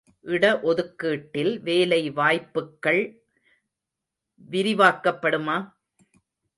இட ஒதுக்கீட்டில் வேலை வாய்ப்புக்கள் விரிவாக்கப்படுமா?